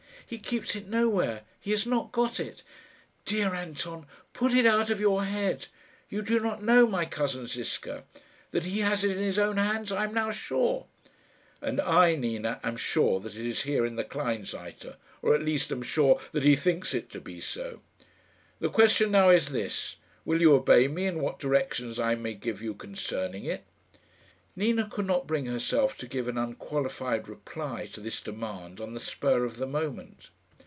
"He keeps it nowhere. He has not got it. Dear Anton, put it out of your head. You do not know my cousin Ziska. That he has it in his own hands I am now sure." "And I, Nina, am sure that it is here in the Kleinseite or at least am sure that he thinks it to be so. The question now is this: Will you obey me in what directions I may give you concerning it?" Nina could not bring herself to give an unqualified reply to this demand on the spur of the moment.